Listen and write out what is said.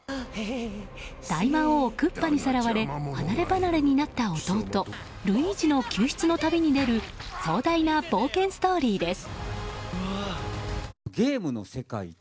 大魔王クッパにさらわれ離れ離れになった弟、ルイージの救出の旅に出る壮大な冒険ストーリーです。